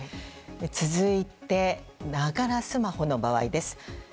続いて、ながらスマホの場合です。